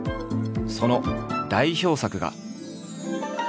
その代表作が。